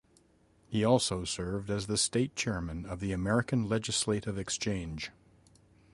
He also served as the state chairman of the American Legislative Exchange.